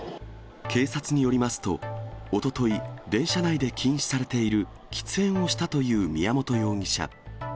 警察によりますと、おととい、電車内で禁止されている喫煙をしたという宮本容疑者。